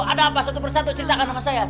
ada apa satu persatu ceritakan sama saya